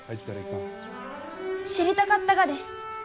知りたかったがです。